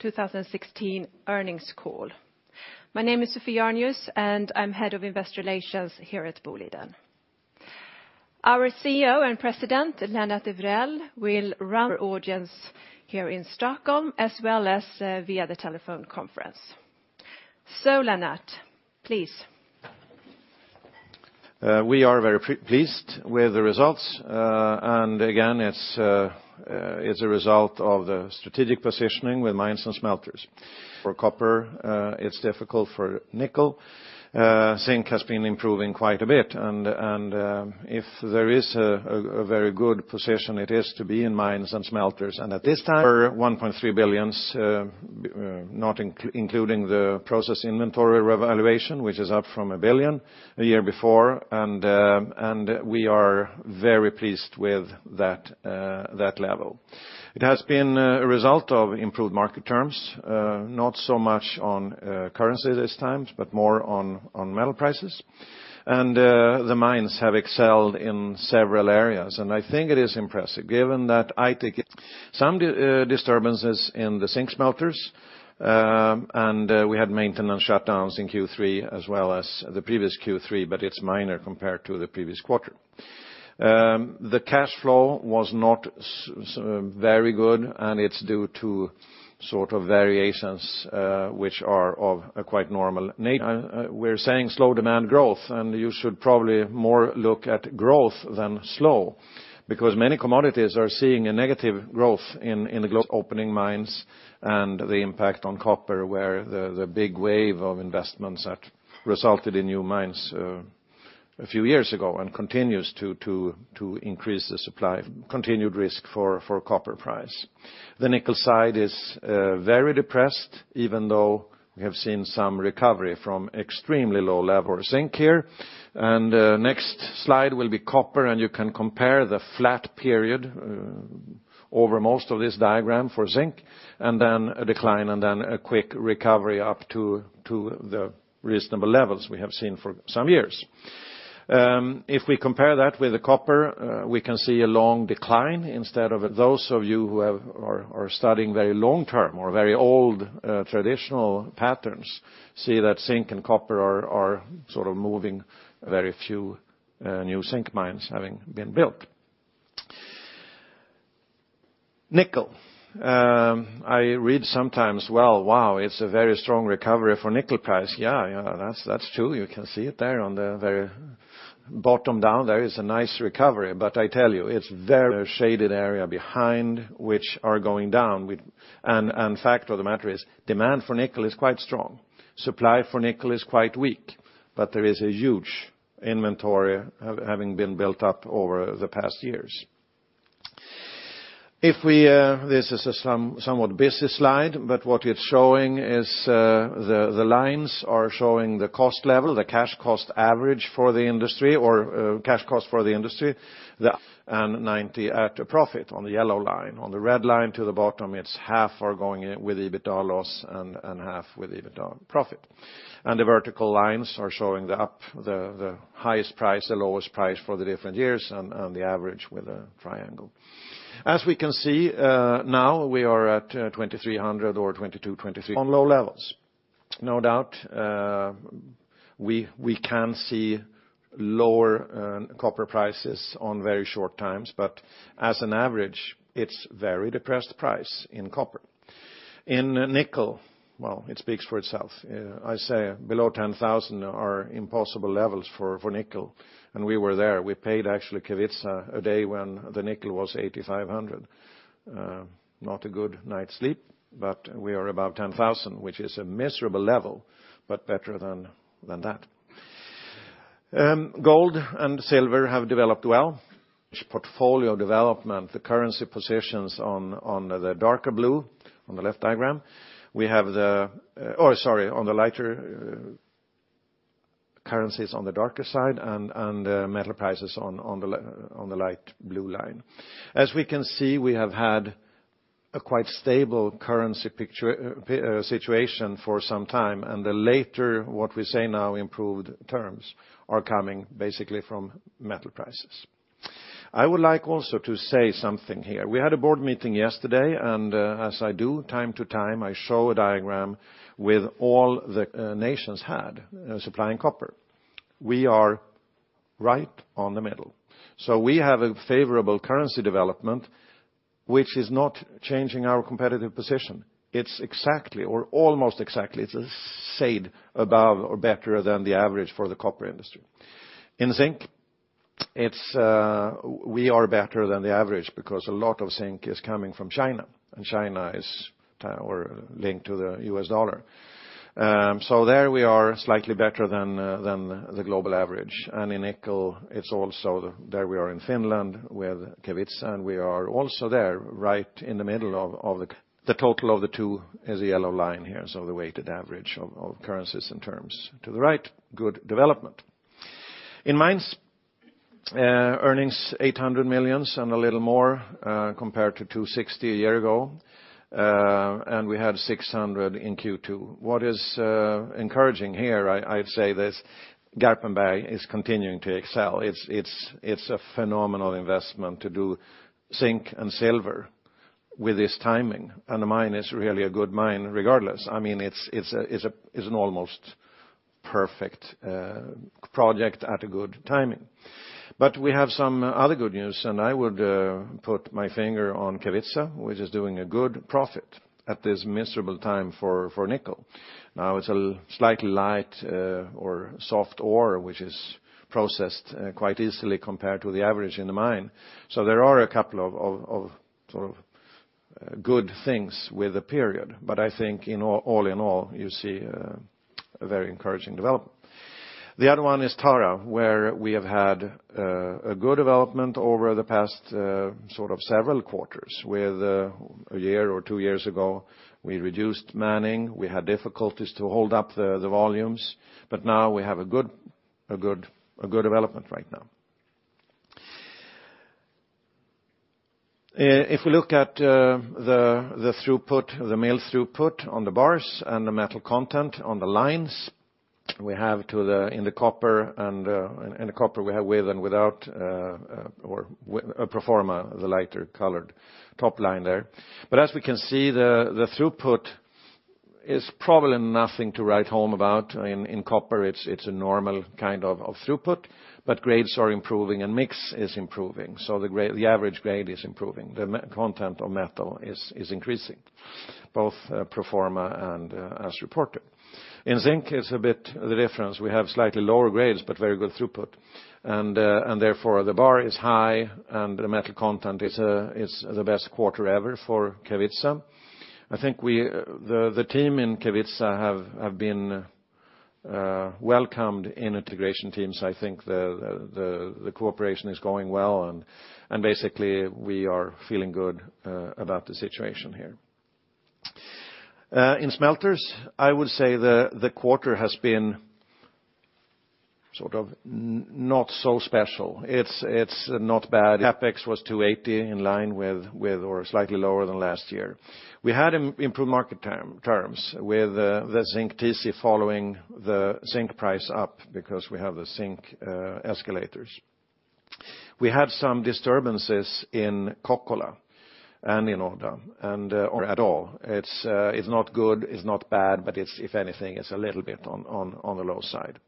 2016 earnings call. My name is Sophie Arnius, and I'm Head of Investor Relations here at Boliden. Our CEO and President, Lennart Evrell, will run audience here in Stockholm as well as via the telephone conference. Lennart, please. We are very pleased with the results. Again, it's a result of the strategic positioning with mines and smelters. For copper, it's difficult for nickel. zinc has been improving quite a bit. If there is a very good position, it is to be in mines and smelters. At this time, for 1.3 billion, not including the process inventory revaluation, which is up from 1 billion the year before, we are very pleased with that level. It has been a result of improved market terms, not so much on currency this time, but more on metal prices. The mines have excelled in several areas, I think it is impressive given that I think some disturbances in the zinc smelters, we had maintenance shutdowns in Q3 as well as the previous Q3, it's minor compared to the previous quarter. The cash flow was not very good, it's due to sort of variations, which are of a quite normal nature. We're saying slow demand growth, you should probably more look at growth than slow because many commodities are seeing a negative growth in the globe's opening mines and the impact on copper, where the big wave of investments that resulted in new mines a few years ago and continues to increase the supply, continued risk for copper price. The nickel side is very depressed, even though we have seen some recovery from extremely low level zinc here. Next slide will be copper, you can compare the flat period over most of this diagram for zinc, then a decline, then a quick recovery up to the reasonable levels we have seen for some years. If we compare that with the copper, we can see a long decline instead of those of you who are studying very long term or very old traditional patterns see that zinc and copper are sort of moving very few new zinc mines having been built. nickel. I read sometimes, "Well, wow, it's a very strong recovery for nickel price." Yeah, that's true. You can see it there on the very bottom down there is a nice recovery. I tell you, it's very shaded area behind which are going down. Fact of the matter is, demand for nickel is quite strong. Supply for nickel is quite weak, there is a huge inventory having been built up over the past years. This is a somewhat busy slide, but what it's showing is the lines are showing the cost level, the cash cost average for the industry, or cash cost for the industry. 90 at a profit on the yellow line. On the red line to the bottom, it's half are going with EBITDA loss and half with EBITDA profit. The vertical lines are showing the up, the highest price, the lowest price for the different years, and the average with a triangle. As we can see, now we are at 2,300 or 22, 23. On low levels. No doubt, we can see lower copper prices on very short times. As an average, it's very depressed price in copper. In nickel, well, it speaks for itself. I say below 10,000 are impossible levels for nickel, and we were there. We paid actually Kevitsa a day when the nickel was 8,500. Not a good night's sleep, but we are above 10,000, which is a miserable level, but better than that. gold and silver have developed well. Portfolio development, the currency positions on the darker blue on the left diagram. We have the-- sorry, on the lighter currencies on the darker side and the metal prices on the light blue line. We can see, we have had a quite stable currency situation for some time, and the later, what we say now, improved terms are coming basically from metal prices. I would like also to say something here. We had a board meeting yesterday, and as I do time to time, I show a diagram with all the nations had supplying copper. We are right on the middle. We have a favorable currency development, which is not changing our competitive position. It's exactly or almost exactly, it's said above or better than the average for the copper industry. In zinc, we are better than the average because a lot of zinc is coming from China, and China is linked to the US dollar. There we are slightly better than the global average. In nickel, it's also there we are in Finland with Kevitsa, and we are also there right in the middle of the total of the two is the yellow line here, the weighted average of currencies and terms to the right, good development. In mines, earnings 800 million and a little more compared to 260 a year ago, and we had 600 in Q2. What is encouraging here, I'd say this, Garpenberg is continuing to excel. It's a phenomenal investment to do zinc and silver with this timing, and the mine is really a good mine regardless. It's an almost perfect project at a good timing. We have some other good news, and I would put my finger on Kevitsa, which is doing a good profit at this miserable time for nickel. Now it's a slightly light or soft ore, which is processed quite easily compared to the average in the mine. There are a couple of good things with the period. I think all in all, you see a very encouraging development. The other one is Tara, where we have had a good development over the past several quarters with a year or two years ago, we reduced manning. We had difficulties to hold up the volumes, but now we have a good development right now. If we look at the mill throughput on the bars and the metal content on the lines, we have in the copper we have with and without or pro forma, the lighter colored top line there. As we can see, the throughput is probably nothing to write home about. In copper, it's a normal kind of throughput, but grades are improving, and mix is improving. The average grade is improving. The content of metal is increasing, both pro forma and as reported. In zinc is a bit the difference. We have slightly lower grades but very good throughput. Therefore, the bar is high and the metal content is the best quarter ever for Kevitsa. I think the team in Kevitsa have been welcomed in integration teams. I think the cooperation is going well, and basically, we are feeling good about the situation here. In smelters, I would say the quarter has been not so special. It's not bad. CapEx was 280 in line with or slightly lower than last year. We had improved market terms with the zinc TC following the zinc price up because we have the zinc escalators. We had some disturbances in Kokkola and in Odda and at all. It's not good, it's not bad, but if anything, it's a little bit on the low side.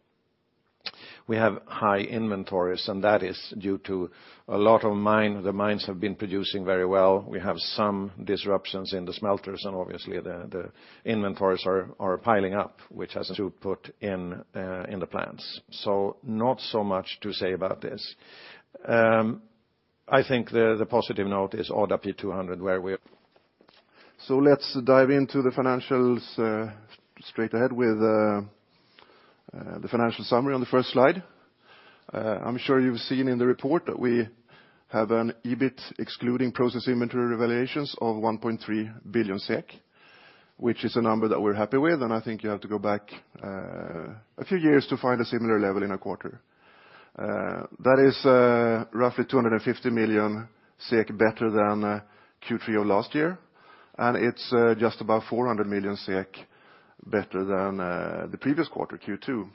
We have high inventories, and that is due to a lot of the mines have been producing very well. We have some disruptions in the smelters, and obviously, the inventories are piling up, which has to put in the plants. Not so much to say about this. I think the positive note is Odda P200. Let's dive into the financials straight ahead with the financial summary on the first slide. I'm sure you've seen in the report that we have an EBIT excluding process inventory revaluations of 1.3 billion SEK, which is a number that we're happy with, and I think you have to go back a few years to find a similar level in a quarter. That is roughly 250 million SEK better than Q3 of last year, and it's just about 400 million SEK better than the previous quarter, Q2.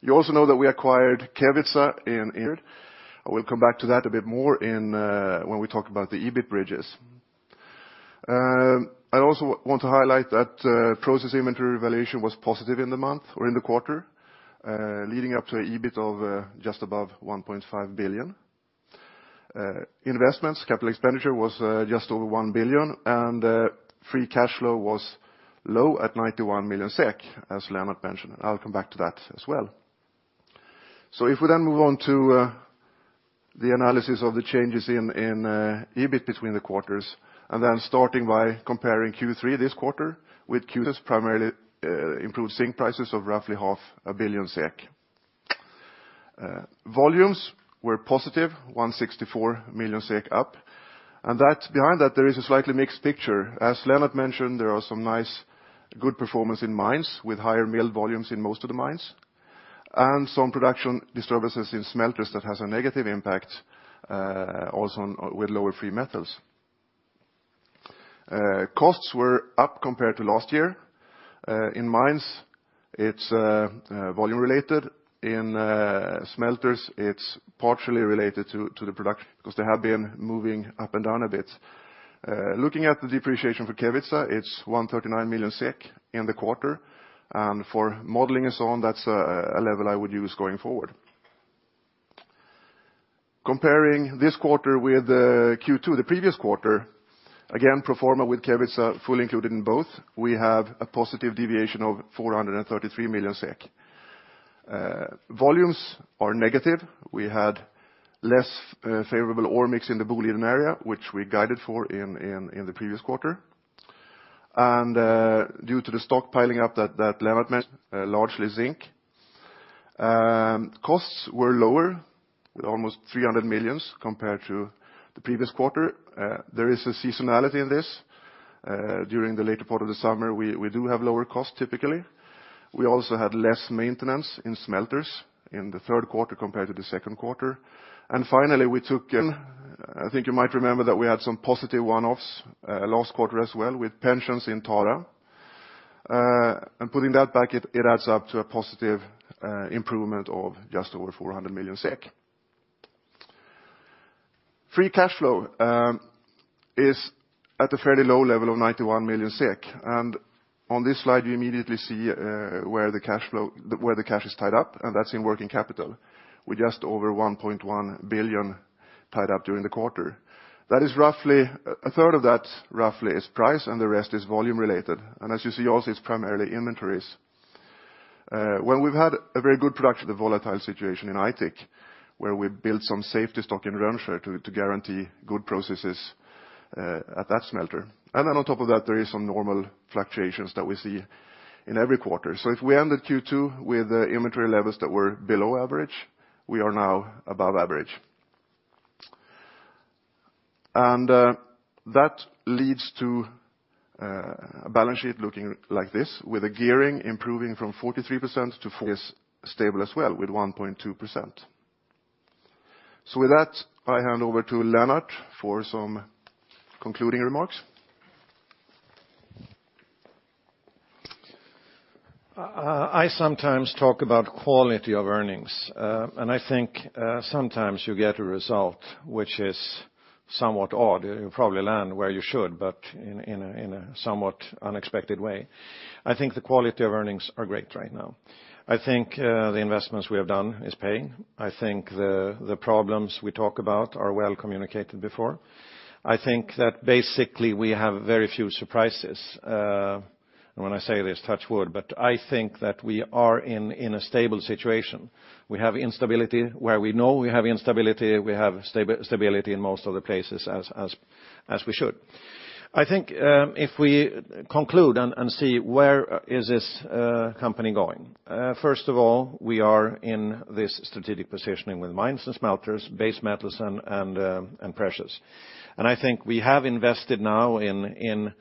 You also know that we acquired Kevitsa. I will come back to that a bit more when we talk about the EBIT bridges. I also want to highlight that process inventory valuation was positive in the month or in the quarter, leading up to EBIT of just above 1.5 billion. Investments, capital expenditure was just over 1 billion, and free cash flow was low at 91 million SEK, as Lennart mentioned. I'll come back to that as well. If we then move on to the analysis of the changes in EBIT between the quarters, and then starting by comparing Q3 this quarter with Q2. This primarily improved zinc prices of roughly half a billion SEK. Volumes were positive, 164 million SEK up. Behind that, there is a slightly mixed picture. As Lennart mentioned, there are some nice good performance in mines with higher mill volumes in most of the mines. Some production disturbances in smelters that has a negative impact also with lower free metals. Costs were up compared to last year. In mines, it's volume related. In smelters, it's partially related to the production because they have been moving up and down a bit. Looking at the depreciation for Kevitsa, it's 139 million SEK in the quarter. For modeling and so on, that's a level I would use going forward. Comparing this quarter with Q2, the previous quarter, again, pro forma with Kevitsa fully included in both, we have a positive deviation of 433 million SEK. Volumes are negative. We had less favorable ore mix in the Boliden area, which we guided for in the previous quarter. Due to the stockpiling up that Lennart mentioned, largely zinc. Costs were lower, almost 300 million compared to the previous quarter. There is a seasonality in this. During the later part of the summer, we do have lower cost typically. We also had less maintenance in smelters in the third quarter compared to the second quarter. Finally, I think you might remember that we had some positive one-offs last quarter as well with pensions in Tara. Putting that back, it adds up to a positive improvement of just over 400 million SEK. Free cash flow is at a fairly low level of 91 million SEK. On this slide you immediately see where the cash is tied up, in working capital, with just over 1.1 billion tied up during the quarter. A third of that roughly is price, and the rest is volume related. As you see also, it's primarily inventories. Well, we've had a very good production of the volatile situation in Aitik, where we built some safety stock in Rönnskär to guarantee good processes at that smelter. On top of that, there is some normal fluctuations that we see in every quarter. If we ended Q2 with inventory levels that were below average, we are now above average. That leads to a balance sheet looking like this, with a gearing improving from 43% to 4% stable as well with 1.2%. With that, I hand over to Lennart for some concluding remarks. I sometimes talk about quality of earnings. I think sometimes you get a result which is somewhat odd. You probably land where you should, but in a somewhat unexpected way. I think the quality of earnings are great right now. I think the investments we have done is paying. I think the problems we talk about are well communicated before. I think that basically we have very few surprises. When I say this, touch wood, but I think that we are in a stable situation. We have instability where we know we have instability. We have stability in most of the places as we should. I think if we conclude and see where is this company going, first of all, we are in this strategic positioning with mines and smelters, base metals, and precious. I think we have invested now in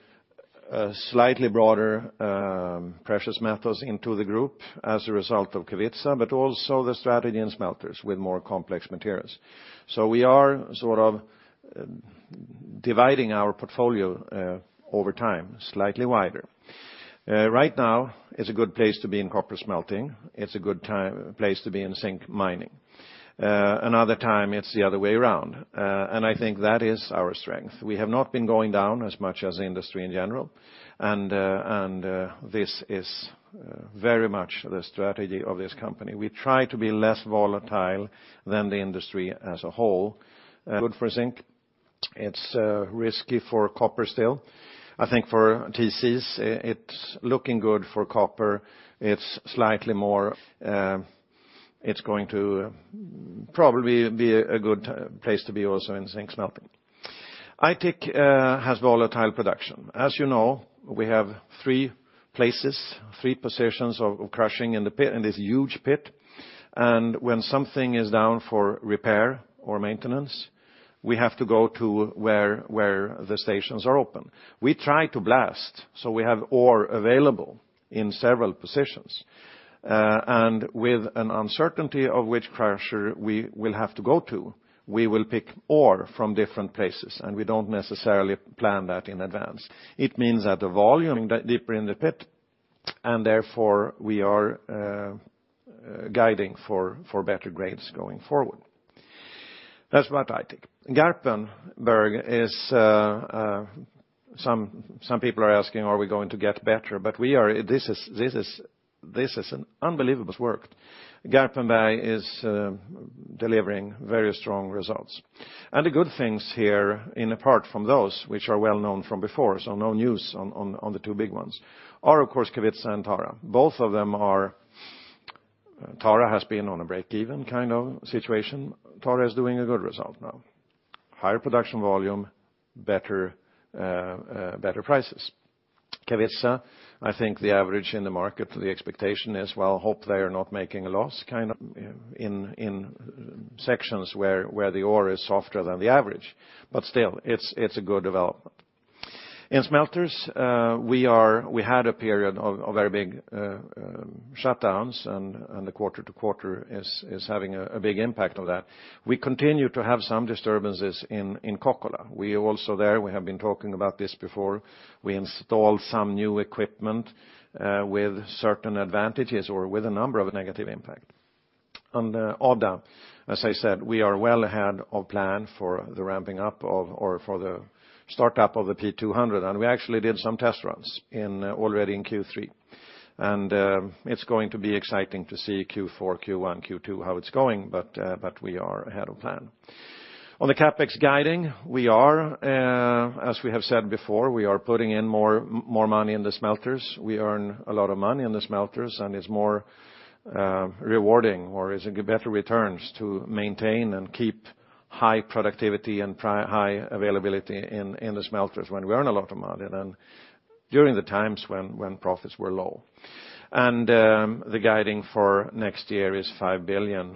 slightly broader precious metals into the group as a result of Kevitsa, but also the strategy in smelters with more complex materials. We are sort of dividing our portfolio over time slightly wider. Right now is a good place to be in copper smelting. It's a good place to be in zinc mining. Another time it's the other way around. I think that is our strength. We have not been going down as much as the industry in general. This is very much the strategy of this company. We try to be less volatile than the industry as a whole. Good for zinc. It's risky for copper still. I think for TCs, it's looking good for copper. It's going to probably be a good place to be also in zinc smelting. Aitik has volatile production. As you know, we have three places, three positions of crushing in this huge pit. When something is down for repair or maintenance, we have to go to where the stations are open. We try to blast so we have ore available in several positions. With an uncertainty of which crusher we will have to go to, we will pick ore from different places. We don't necessarily plan that in advance. It means that the volume deeper in the pit, therefore we are guiding for better grades going forward. That's about Aitik. Garpenberg, some people are asking, are we going to get better? This is an unbelievable work. Garpenberg is delivering very strong results. The good things here in apart from those which are well known from before, so no news on the two big ones are of course Kevitsa and Tara. Tara has been on a break-even kind of situation. Tara is doing a good result now. Higher production volume, better prices. Kevitsa, I think the average in the market for the expectation is, well, hope they are not making a loss kind of in sections where the ore is softer than the average. Still, it's a good development. In smelters, we had a period of very big shutdowns. The quarter-to-quarter is having a big impact of that. We continue to have some disturbances in Kokkola. We also there, we have been talking about this before. We installed some new equipment with certain advantages or with a number of negative impact. Odda, as I said, we are well ahead of plan for the ramping up or for the startup of the P200. We actually did some test runs already in Q3. It's going to be exciting to see Q4, Q1, Q2 how it's going, but we are ahead of plan. On the CapEx guiding, as we have said before, we are putting in more money in the smelters. We earn a lot of money in the smelters. It's more rewarding or is better returns to maintain and keep high productivity and high availability in the smelters when we earn a lot of money than during the times when profits were low. The guiding for next year is 5 billion,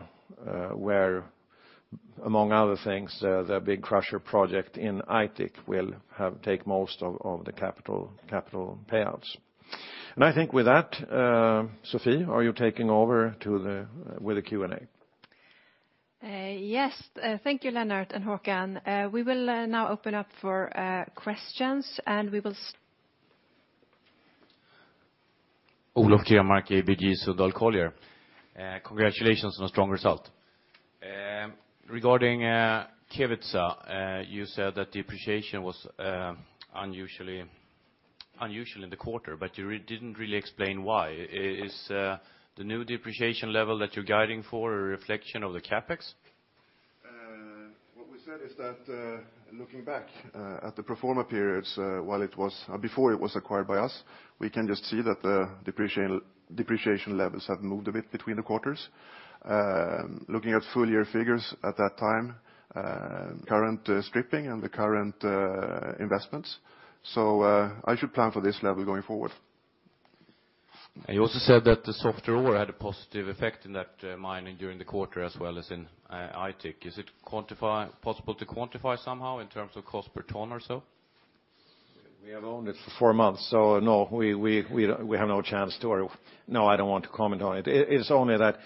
where among other things, the big crusher project in Aitik will take most of the capital payouts. I think with that, Sophie, are you taking over with the Q&A? Yes. Thank you, Lennart and Håkan. We will now open up for questions. Olof Grenmark, ABG Sundal Collier. Congratulations on a strong result. Regarding Kevitsa, you said that depreciation was unusual in the quarter, but you didn't really explain why. Is the new depreciation level that you're guiding for a reflection of the CapEx? What we said is that looking back at the pro forma periods before it was acquired by us, we can just see that the depreciation levels have moved a bit between the quarters. Looking at full year figures at that time, current stripping and the current investments. I should plan for this level going forward. You also said that the softer ore had a positive effect in that mining during the quarter as well as in Aitik. Is it possible to quantify somehow in terms of cost per ton or so? We have owned it for four months, no, we have no chance to. No, I don't want to comment on it. It is only that,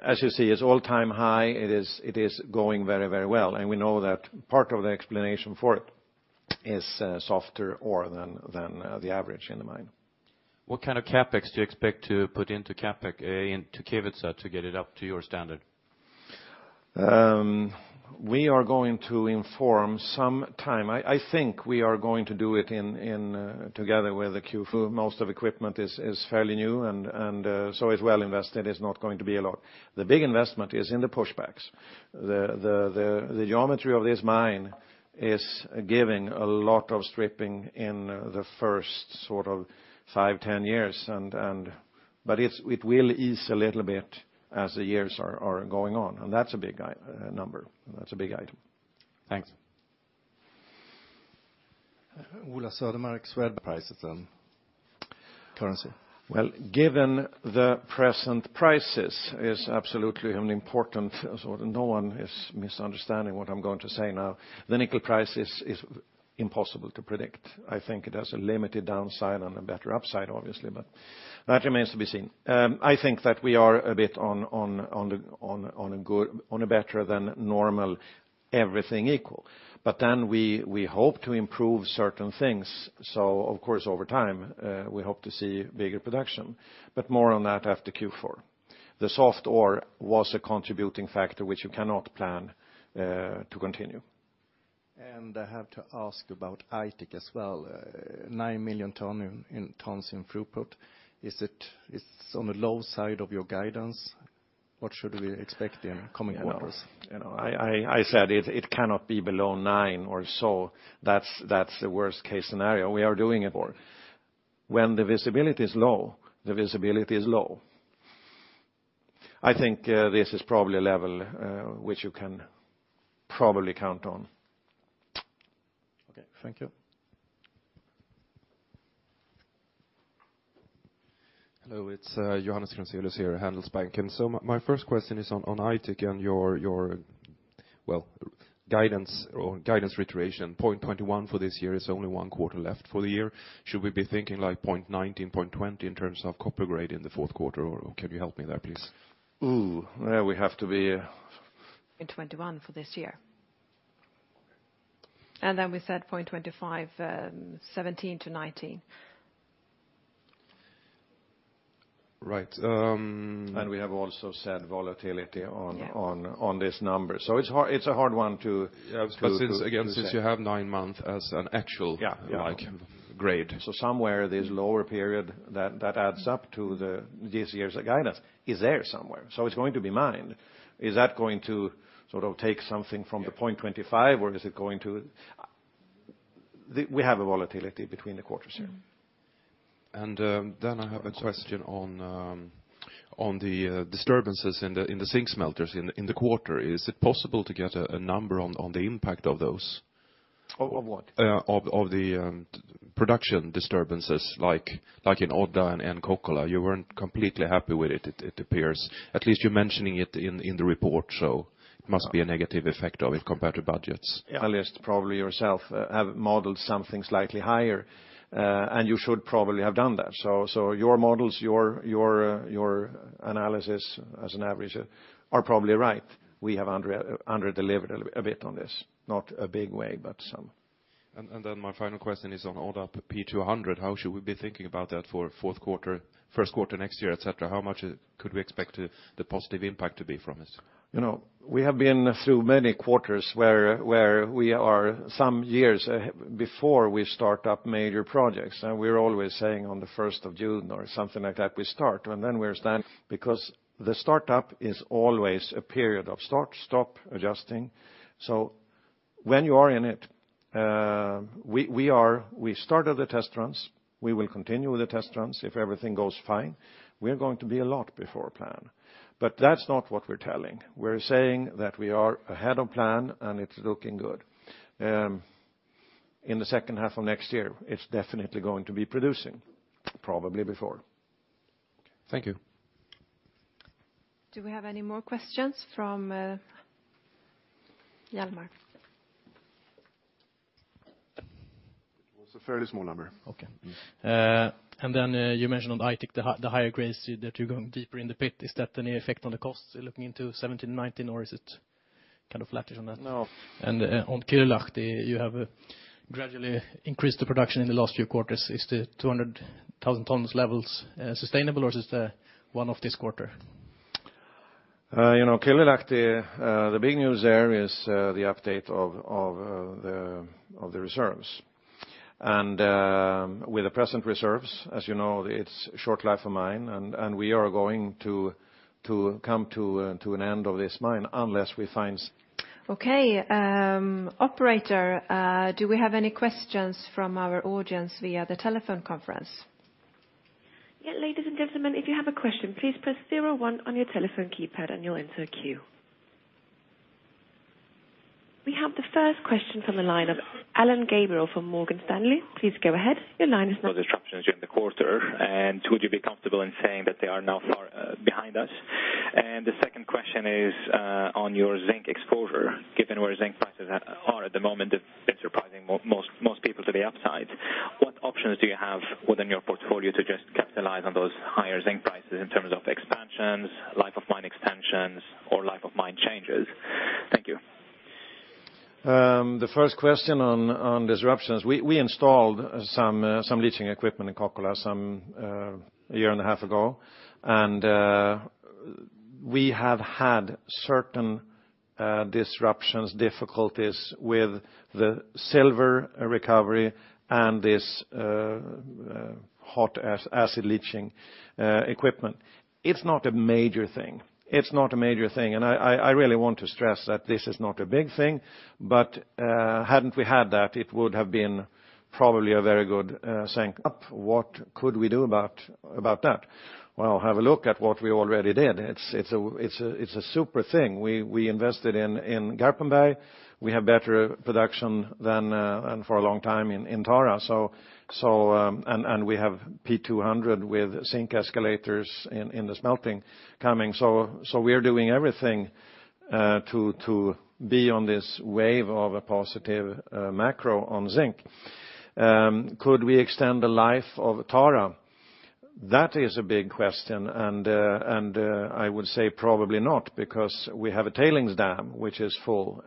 as you see, it's all-time high. It is going very well, and we know that part of the explanation for it is softer ore than the average in the mine. What kind of CapEx do you expect to put into CapEx into Kevitsa to get it up to your standard? We are going to inform sometime. I think we are going to do it together with the Q4. It's well invested. It's not going to be a lot. The big investment is in the push backs. The geometry of this mine is giving a lot of stripping in the first five, 10 years. It will ease a little bit as the years are going on, that's a big number, and that's a big item. Thanks. Ola Södermark, Swedbank, prices and currency. Given the present prices is absolutely important, so no one is misunderstanding what I am going to say now. The nickel price is impossible to predict. I think it has a limited downside and a better upside, obviously, but that remains to be seen. I think that we are a bit on a better than normal everything equal. We hope to improve certain things. Of course, over time, we hope to see bigger production, but more on that after Q4. The soft ore was a contributing factor which you cannot plan to continue. I have to ask about Aitik as well. 9 million tons in throughput. It is on the low side of your guidance. What should we expect in coming quarters? I said it cannot be below nine or so. That is the worst case scenario. We are doing it for. When the visibility is low, the visibility is low. I think this is probably a level which you can probably count on. Okay. Thank you. Hello, it's Johannes Grunselius here at Handelsbanken. My first question is on Aitik and your guidance reiteration, 0.21 for this year is only one quarter left for the year. Should we be thinking like 0.19, 0.20 in terms of copper grade in the fourth quarter, or can you help me there, please? There we have to be- 0.21 for this year. Okay. Then we said 0.25, 2017 to 2019. Right. We have also said volatility on- Yes this number. It's a hard one to- Again, since you have nine months as an actual- Yeah grade. Somewhere this lower period that adds up to this year's guidance is there somewhere. It's going to be mined. Is that going to take something from the 0.25? We have a volatility between the quarters here. I have a question on the disturbances in the zinc smelters in the quarter. Is it possible to get a number on the impact of those? Of what? Of the production disturbances like in Odda and Kokkola. You weren't completely happy with it appears. At least you're mentioning it in the report, it must be a negative effect of it compared to budgets. Yes. Probably yourself have modeled something slightly higher, and you should probably have done that. Your models, your analysis as an average are probably right. We have under-delivered a bit on this. Not a big way, but some. My final question is on Odda P200. How should we be thinking about that for first quarter next year, et cetera? How much could we expect the positive impact to be from this? We have been through many quarters where we are some years before we start up major projects, and we're always saying on the 1st of June or something like that, we start. We're standing because the start-up is always a period of start, stop, adjusting. When you are in it, we started the test runs. We will continue with the test runs if everything goes fine. We're going to be a lot before plan, but that's not what we're telling. We're saying that we are ahead of plan and it's looking good. In the second half of next year, it's definitely going to be producing, probably before. Thank you. Do we have any more questions from Hjalmar? It's a fairly small number. Okay. Yes. Then you mentioned on Aitik the higher grades that you're going deeper in the pit. Is that any effect on the costs looking into 2017, 2019, or is it kind of flattish on that? No. On Kylylahti, you have gradually increased the production in the last few quarters. Is the 200,000 tons levels sustainable, or is this one-off this quarter? Kylylahti, the big news there is the update of the reserves. With the present reserves, as you know, it's short life of mine, and we are going to come to an end of this mine unless we find. Okay. Operator, do we have any questions from our audience via the telephone conference? Yeah, ladies and gentlemen, if you have a question, please press 01 on your telephone keypad and you'll enter a queue. We have the first question from the line of Alain Gabriel from Morgan Stanley. Please go ahead. Your line is now- Those disruptions during the quarter, would you be comfortable in saying that they are now far behind us? The second question is on your zinc exposure. Given where zinc prices are at the moment, it's surprising most people to the upside. What options do you have within your portfolio to just capitalize on those higher zinc prices in terms of expansions, life of mine extensions, or life of mine changes? Thank you. The first question on disruptions, we installed some leaching equipment in Kokkola some year and a half ago, we have had certain disruptions, difficulties with the silver recovery and this hot acid leaching equipment. It's not a major thing. It's not a major thing, and I really want to stress that this is not a big thing, but hadn't we had that, it would have been probably a very good Up, what could we do about that? Well, have a look at what we already did. It's a super thing. We invested in Garpenberg. We have better production than for a long time in Tara. We have P-200 with zinc escalators in the smelting coming. We're doing everything to be on this wave of a positive macro on zinc. Could we extend the life of Tara? That is a big question, and I would say probably not because we have a tailings dam, which is full,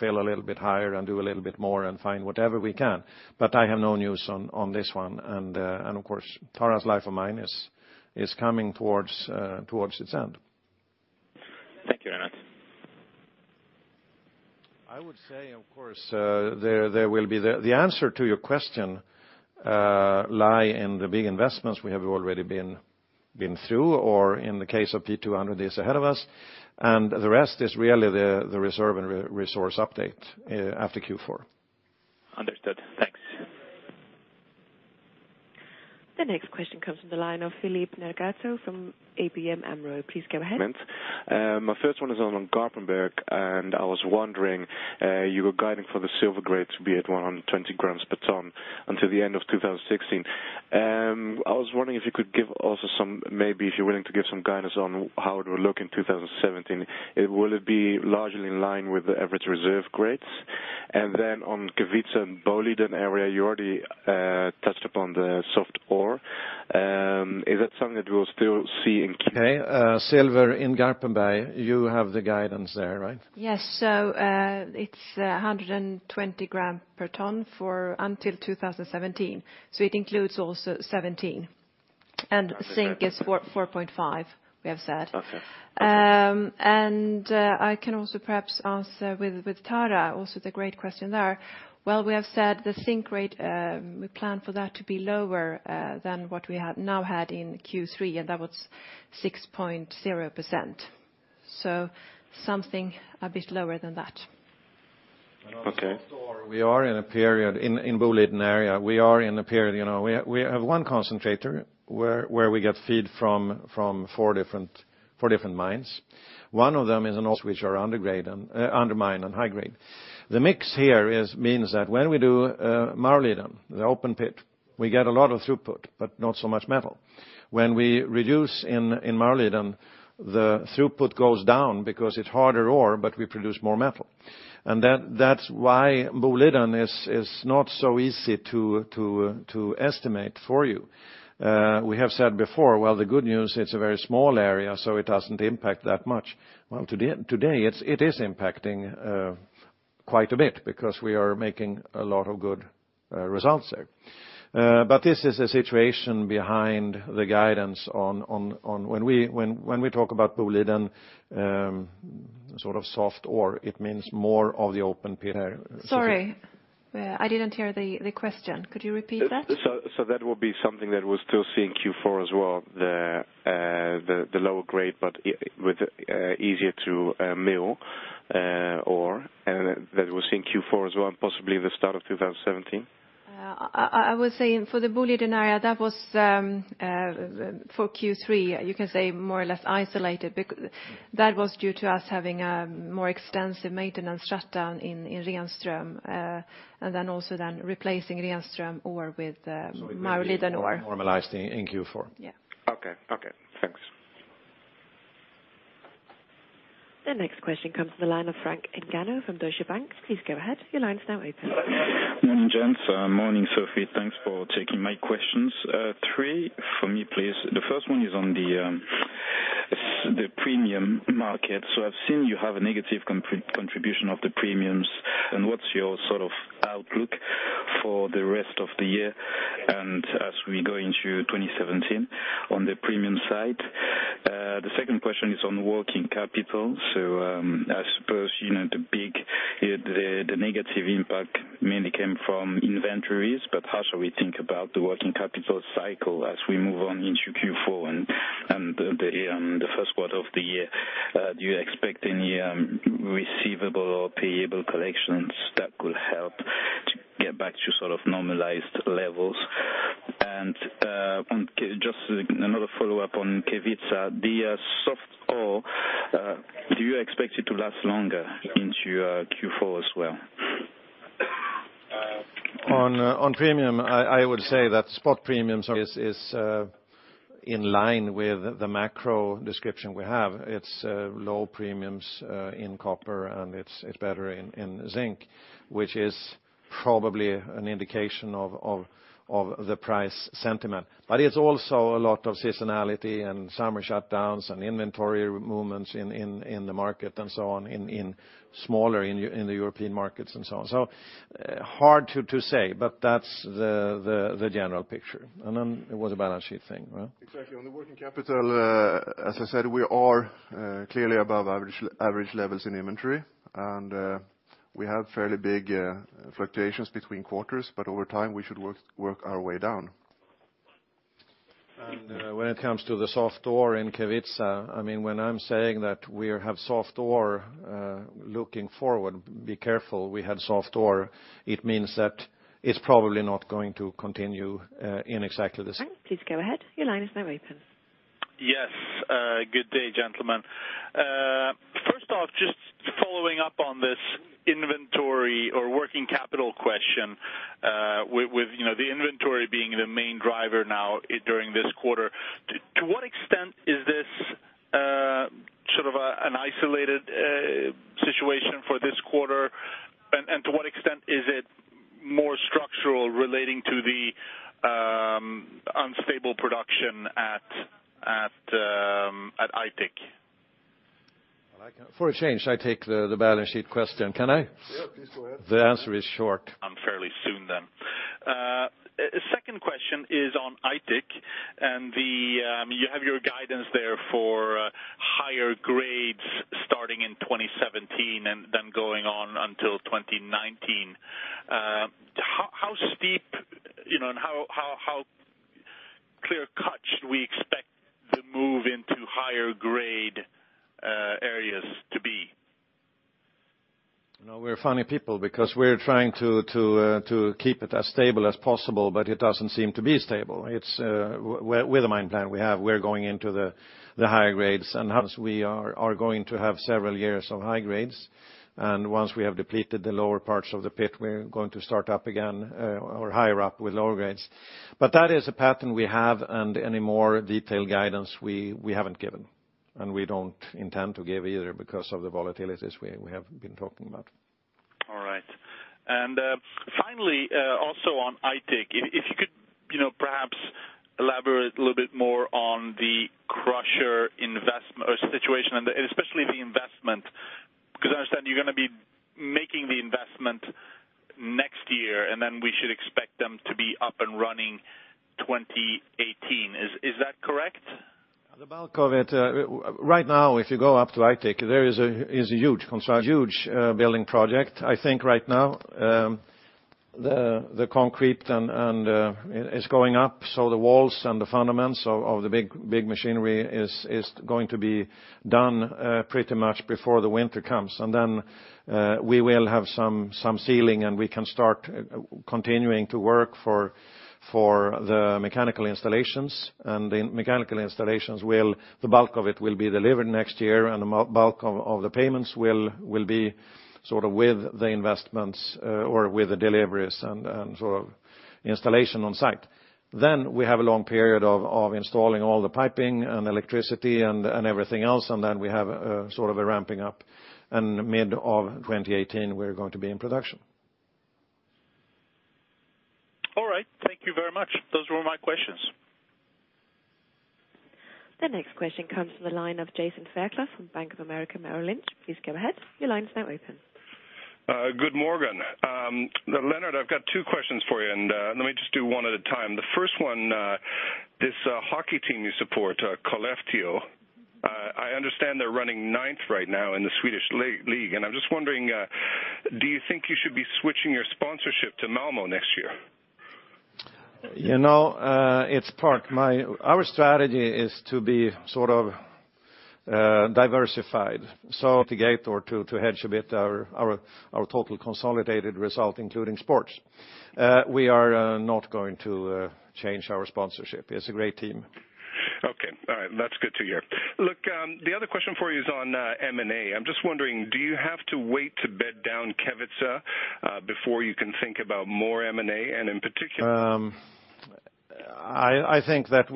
Fail a little bit higher and do a little bit more and find whatever we can. I have no news on this one. Of course, Tara's life of mine is coming towards its end. Thank you very much. I would say, of course, the answer to your question lies in the big investments we have already been through or in the case of P-200, is ahead of us. The rest is really the reserve and resource update after Q4. Understood. Thanks. The next question comes from the line of Philippe Nergenti from ABN AMRO. Please go ahead. My first one is on Garpenberg. I was wondering, you were guiding for the silver grade to be at 120 grams per ton until the end of 2016. I was wondering if you could give also some, maybe if you're willing to give some guidance on how it will look in 2017. Will it be largely in line with the average reserve grades? Then on Kevitsa Boliden area, you already touched upon the soft ore. Is that something that we'll still see in Q4? Okay. Silver in Garpenberg, you have the guidance there, right? Yes. It's 120 grams per ton until 2017. It includes also 2017. Zinc is 4.5, we have said. Okay. I can also perhaps answer with Tara also the great question there. Well, we have said the zinc rate, we plan for that to be lower than what we have now had in Q3, and that was 6.0%. Something a bit lower than that. Okay. On soft ore, we are in a period in Boliden area, we have one concentrator where we get feed from four different mines. One of them is Which are under mine and high grade. The mix here means that when we do Malmliden, the open pit, we get a lot of throughput, but not so much metal. When we reduce in Malmliden, the throughput goes down because it's harder ore, but we produce more metal. That's why Boliden is not so easy to estimate for you. We have said before, well, the good news, it's a very small area, so it doesn't impact that much. Well, today it is impacting quite a bit because we are making a lot of good results there. This is a situation behind the guidance on when we talk about Boliden sort of soft ore, it means more of the open pit- Sorry. I didn't hear the question. Could you repeat that? That will be something that we're still seeing Q4 as well, the lower grade, but easier to mill ore, and that we'll see in Q4 as well, and possibly the start of 2017? I would say for the Boliden area, that was for Q3, you can say more or less isolated. That was due to us having a more extensive maintenance shutdown in Renström, and then also then replacing Renström ore with Malmliden ore. It will be normalized in Q4. Yeah. Okay. Thanks The next question comes from the line of Frank Ngannou from Deutsche Bank. Please go ahead, your line is now open. Morning, gents. Morning, Sophie. Thanks for taking my questions. Three for me, please. The first one is on the premium market. I've seen you have a negative contribution of the premiums, what's your sort of outlook for the rest of the year as we go into 2017 on the premium side? The second question is on working capital. I suppose the big negative impact mainly came from inventories, how should we think about the working capital cycle as we move on into Q4 and the first quarter of the year? Do you expect any receivable or payable collections that could help to get back to normalized levels? Just another follow-up on Kevitsa, the soft ore, do you expect it to last longer into Q4 as well? On premium, I would say that spot premiums are in line with the macro description we have. It's low premiums in copper, it's better in zinc, which is probably an indication of the price sentiment. It's also a lot of seasonality and summer shutdowns and inventory movements in the market and so on, in smaller, in the European markets and so on. Hard to say, that's the general picture. Then it was a balance sheet thing, right? Exactly. On the working capital, as I said, we are clearly above average levels in inventory, we have fairly big fluctuations between quarters, over time, we should work our way down. When it comes to the soft ore in Kevitsa, when I'm saying that we have soft ore, looking forward, be careful, we had soft ore, it means that it's probably not going to continue in exactly the same- Please go ahead. Your line is now open. Yes. Good day, gentlemen. First off, just following up on this inventory or working capital question, with the inventory being the main driver now during this quarter. To what extent is this sort of an isolated situation for this quarter, and to what extent is it more structural relating to the unstable production at Aitik? For a change, I take the balance sheet question. Can I? Yeah, please go ahead. The answer is short. I'm fairly soon then. Second question is on Aitik, and you have your guidance there for higher grades starting in 2017 and then going on until 2019. How steep, and how clear cut should we expect the move into higher grade areas to be? We're funny people because we're trying to keep it as stable as possible, but it doesn't seem to be stable. With the mine plan we have, we're going into the higher grades, and hence we are going to have several years of high grades. Once we have depleted the lower parts of the pit, we're going to start up again or higher up with lower grades. That is a pattern we have, and any more detailed guidance we haven't given. We don't intend to give either because of the volatilities we have been talking about. All right. Finally, also on Aitik, if you could perhaps elaborate a little bit more on the crusher situation and especially the investment, because I understand you're going to be making the investment next year, and then we should expect them to be up and running 2018. Is that correct? The bulk of it, right now, if you go up to Aitik, there is a huge construction, huge building project. I think right now, the concrete is going up, so the walls and the fundaments of the big machinery is going to be done pretty much before the winter comes. We will have some ceiling, and we can start continuing to work for the mechanical installations. The mechanical installations, the bulk of it will be delivered next year, and the bulk of the payments will be sort of with the investments or with the deliveries and sort of installation on site. We have a long period of installing all the piping and electricity and everything else. We have sort of a ramping up, and mid of 2018, we're going to be in production. All right. Thank you very much. Those were my questions. The next question comes from the line of Jason Fairclough from Bank of America Merrill Lynch. Please go ahead. Your line is now open. Good morning. Lennart, I've got two questions for you, let me just do one at a time. The first one, this hockey team you support, Kalix UHC, I understand they're running ninth right now in the Swedish League. I'm just wondering, do you think you should be switching your sponsorship to Malmö next year? Our strategy is to be sort of diversified, to gate or to hedge a bit our total consolidated result, including sports. We are not going to change our sponsorship. It's a great team. Okay. All right. That's good to hear. The other question for you is on M&A. I'm just wondering, do you have to wait to bed down Kevitsa before you can think about more M&A, and in particular- I think that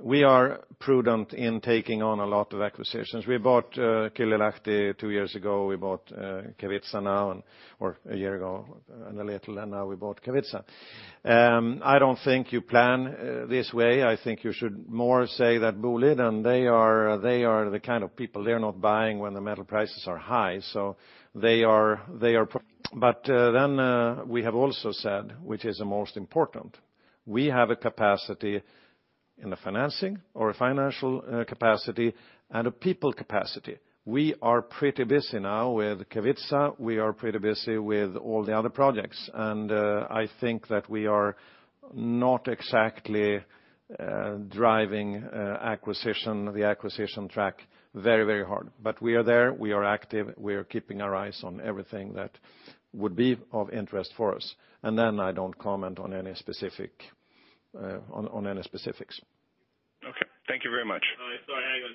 we are prudent in taking on a lot of acquisitions. We bought Kylylahti two years ago. We bought Kevitsa now, or a year ago, and a little, and now we bought Kevitsa. I don't think you plan this way. I think you should more say that Boliden, they are the kind of people, they're not buying when the metal prices are high. We have also said, which is the most important, we have a capacity in the financing or a financial capacity and a people capacity. We are pretty busy now with Kevitsa. We are pretty busy with all the other projects, and I think that we are not exactly driving the acquisition track very hard, but we are there. We are active. We are keeping our eyes on everything that would be of interest for us. I don't comment on any specifics. Okay. Thank you very much. Sorry, hang on.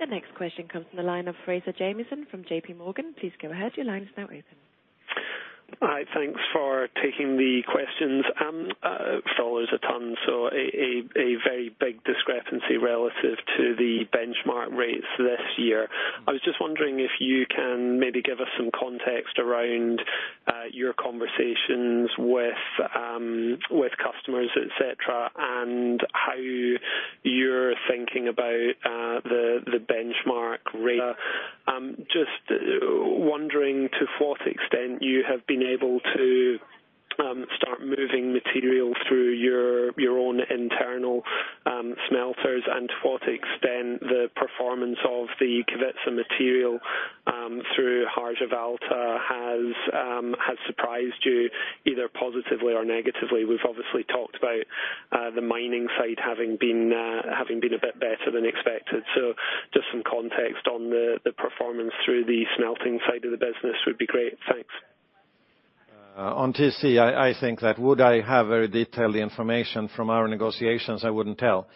The next question comes from the line of Fraser Jamieson from JP Morgan. Please go ahead. Your line is now open. Hi. Thanks for taking the questions. Follows a ton, so a very big discrepancy relative to the benchmark rates this year. I was just wondering if you can maybe give us some context around your conversations with customers, et cetera, and how you're thinking about the benchmark rate. Just wondering to what extent you have been able to start moving material through your own internal smelters and to what extent the performance of the Kevitsa material through Harjavalta has surprised you either positively or negatively. We've obviously talked about the mining side having been a bit better than expected. Just some context on the performance through the smelting side of the business would be great. Thanks. On TC, I think that would I have very detailed information from our negotiations, I wouldn't tell.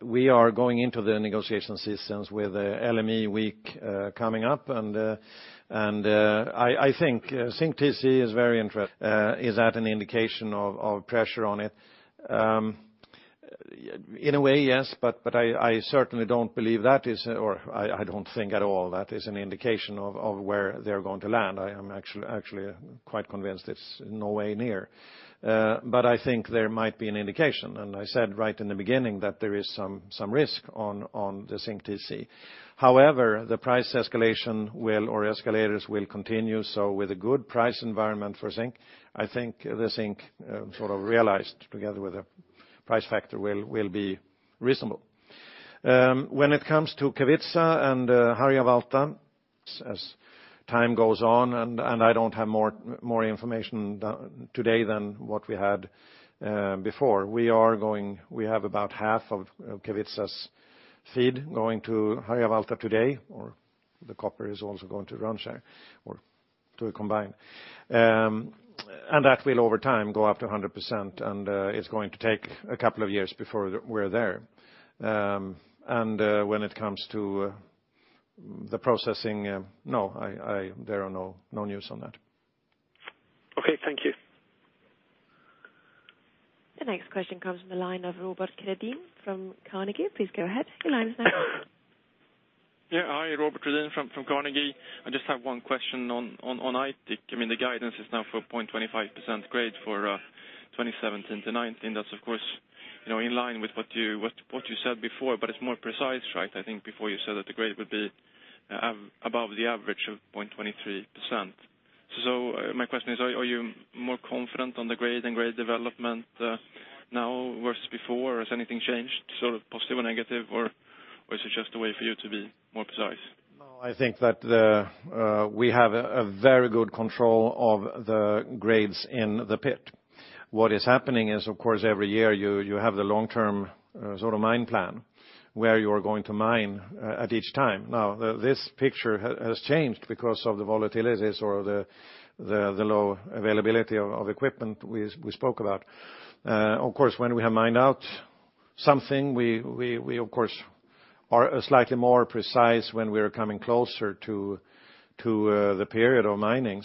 We are going into the negotiation systems with LME Week coming up, and I think zinc TC is very interesting. Is that an indication of pressure on it? In a way, yes, but I certainly don't believe that is or I don't think at all that is an indication of where they're going to land. I am actually quite convinced it's no way near. I think there might be an indication, and I said right in the beginning that there is some risk on the zinc TC. However, the price escalation will or escalators will continue. With a good price environment for zinc, I think the zinc sort of realized together with a price factor will be reasonable. When it comes to Kevitsa and Harjavalta, as time goes on I don't have more information today than what we had before. We have about half of Kevitsa's feed going to Harjavalta today, or the copper is also going to Rönnskär or to a combine. That will over time go up to 100% and it's going to take a couple of years before we're there. When it comes to the processing, no, there are no news on that. Okay. Thank you. The next question comes from the line of Robert Redin from Carnegie. Please go ahead. Your line is now open. Hi, Robert Redin from Carnegie. I just have one question on Aitik. The guidance is now for 0.25% grade for 2017 to 2019. That's of course in line with what you said before, it's more precise, right? I think before you said that the grade would be above the average of 0.23%. My question is, are you more confident on the grade and grade development now versus before or has anything changed sort of positive or negative or is it just a way for you to be more precise? I think that we have a very good control of the grades in the pit. What is happening is, of course, every year you have the long-term sort of mine plan where you are going to mine at each time. This picture has changed because of the volatilities or the low availability of equipment we spoke about. Of course, when we have mined out something, we of course are slightly more precise when we're coming closer to the period of mining.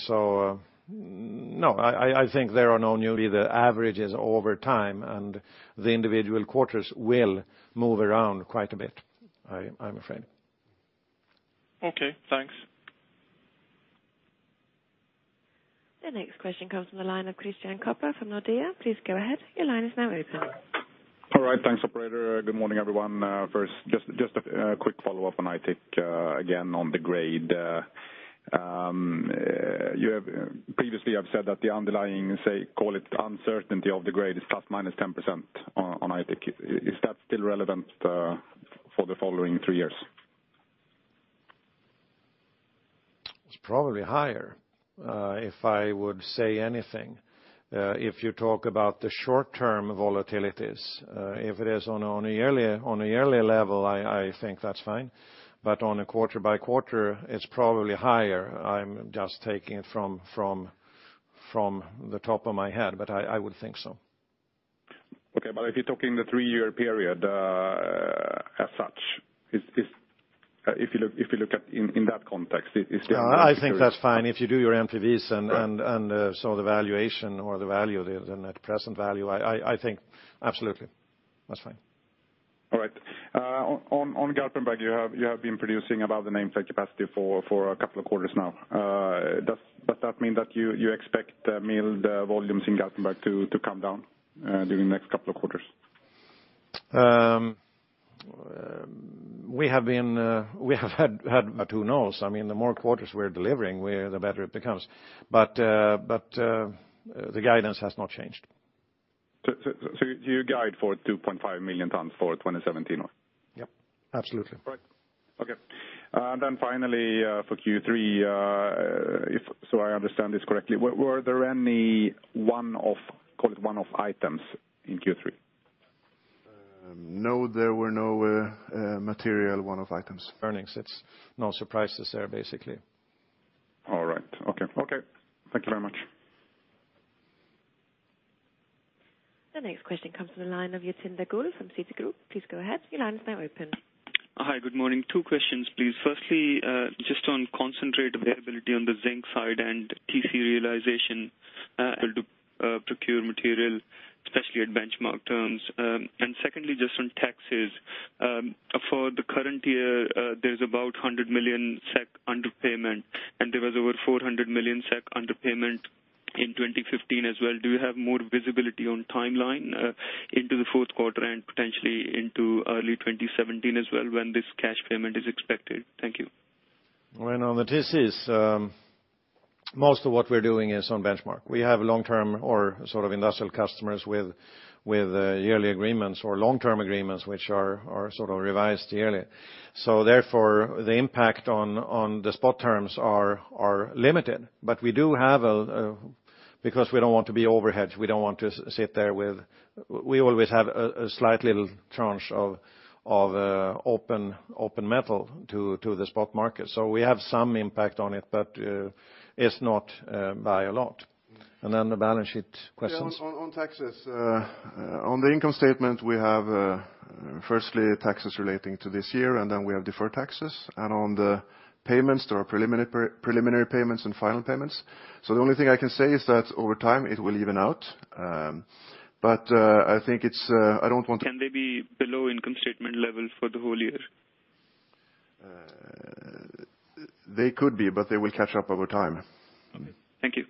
I think there are no newly the averages over time, and the individual quarters will move around quite a bit, I'm afraid. Okay, thanks. The next question comes from the line of Christian Kopfer from Nordea. Please go ahead. Your line is now open. All right. Thanks, operator. Good morning, everyone. First, just a quick follow-up on Aitik again on the grade. You have previously said that the underlying, say, call it uncertainty of the grade is ±10% on Aitik. Is that still relevant for the following three years? It's probably higher, if I would say anything. If you talk about the short-term volatilities, if it is on a yearly level, I think that's fine. On a quarter by quarter, it's probably higher. I'm just taking it from the top of my head, but I would think so. Okay. If you're talking the three-year period as such, if you look in that context, is there- I think that's fine. If you do your NPVs and some of the valuation or the value there, at present value, I think absolutely. That's fine. All right. On Garpenberg, you have been producing above the nameplate capacity for a couple of quarters now. Does that mean that you expect the mill volumes in Garpenberg to come down during the next couple of quarters? We have. Who knows? I mean, the more quarters we're delivering, the better it becomes. The guidance has not changed. You guide for 2.5 million tonnes for 2017 now? Yep, absolutely. Right. Okay. Finally, for Q3, so I understand this correctly, were there any one-off items in Q3? No, there were no material one-off items. Earnings. It's no surprises there, basically. All right. Okay. Thank you very much. The next question comes from the line of Jatinder Goel from Citigroup. Please go ahead. Your line is now open. Hi, good morning. Two questions, please. Firstly, just on concentrate availability on the zinc side and TC realization, able to procure material, especially at benchmark terms. Secondly, just on taxes. For the current year, there's about 100 million SEK underpayment, and there was over 400 million SEK underpayment in 2015 as well. Do you have more visibility on timeline into the fourth quarter and potentially into early 2017 as well when this cash payment is expected? Thank you. Well, on the TCs, most of what we're doing is on benchmark. We have long-term or sort of industrial customers with yearly agreements or long-term agreements, which are sort of revised yearly. Therefore, the impact on the spot terms are limited. We always have a slight little tranche of open metal to the spot market. We have some impact on it, but it's not by a lot. Then the balance sheet questions. Yeah, on taxes. On the income statement, we have firstly taxes relating to this year, and then we have deferred taxes. On the payments, there are preliminary payments and final payments. The only thing I can say is that over time it will even out. Can they be below income statement level for the whole year? They could be, but they will catch up over time. Okay. Thank you.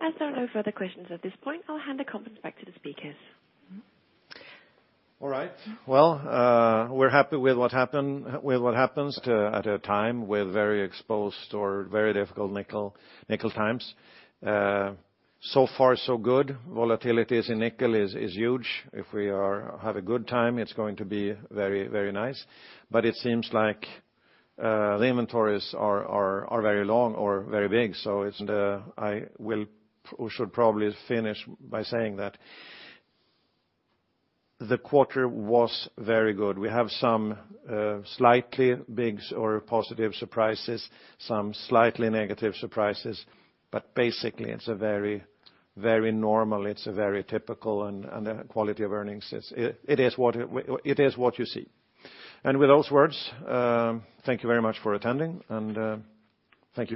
As there are no further questions at this point, I'll hand the conference back to the speakers. All right. Well, we're happy with what happens at a time with very exposed or very difficult nickel times. Far so good. Volatilities in nickel is huge. If we have a good time, it's going to be very nice. It seems like the inventories are very long or very big. I should probably finish by saying that the quarter was very good. We have some slightly big or positive surprises, some slightly negative surprises, but basically it's very normal, it's very typical, and the quality of earnings, it is what you see. With those words, thank you very much for attending, and thank you